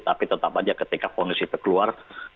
tapi tetap saja ketika kondisi tersebut